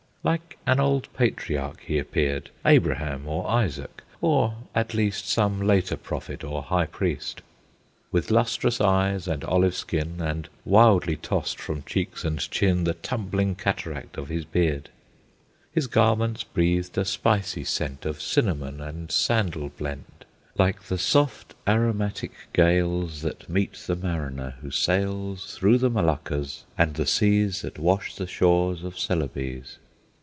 Like an old Patriarch he appeared, Abraham or Isaac, or at least Some later Prophet or High Priest; With lustrous eyes, and olive skin, And, wildly tossed from cheeks and chin, The tumbling cataract of his beard. His garments breathed a spicy scent Of cinnamon and sandal blent, Like the soft aromatic gales That meet the mariner, who sails Through the Moluccas, and the seas That wash the shores of Celebes.